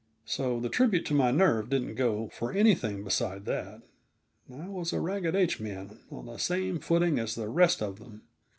So the tribute to my nerve didn't go for anything beside that. I was a "Ragged H man," on the same footing as the rest of them.